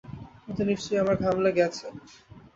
ওতে নিশ্চয়ই আমার ঘাম লেগে আছে।